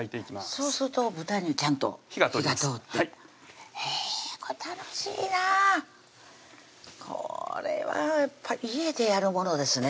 そうすると豚にちゃんと火が通ります火が通ってへぇこれ楽しいなこれは家でやるものですね